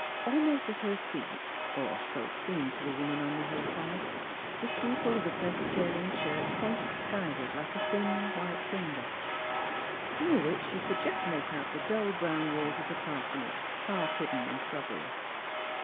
Almost at her feet — or so it seemed to the woman on the hillside — the steeple of the Presbyterian church pointed skyward, like a thin, white finger. Near it she could just make out the dull brown walls of the parsonage, half hidden in shrubbery.